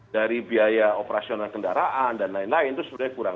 dari biaya operasional kendaraan dan lain lain itu sebenarnya kurang